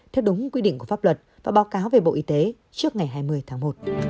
theo đúng quy định của pháp luật và báo cáo về bộ y tế trước ngày hai mươi tháng một